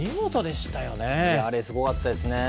あれ、すごかったですね。